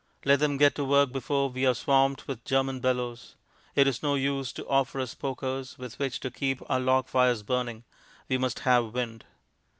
Let them get to work before we are swamped with German bellows. It is no use to offer us pokers with which to keep our log fires burning; we must have wind.